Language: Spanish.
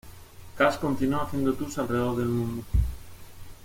Cash continúa haciendo tours alrededor del mundo.